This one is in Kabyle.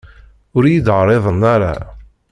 Ur iyi-d-ɛriḍen ara.